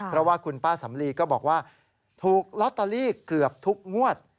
เพราะว่าคุณป้าสำลีก็บอกว่าถูกลอตเตอรี่เกือบทุกงวด